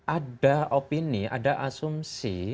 ada opini ada asumsi